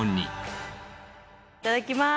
いただきます。